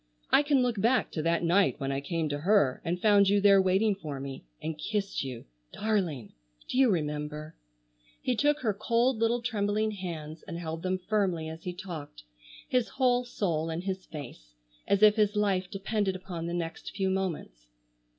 I can look back to that night when I came to her and found you there waiting for me, and kissed you,—darling. Do you remember?" He took her cold little trembling hands and held them firmly as he talked, his whole soul in his face, as if his life depended upon the next few moments.